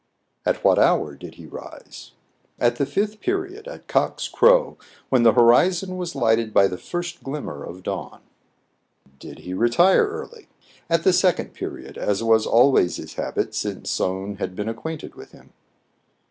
At what hour did he rise f At the fifth period, at cock's crow, when the horizon was lighted by the first glimmer of dawn. Did he retire early } At the second period, as was always his habit since Soun had been acquainted with him.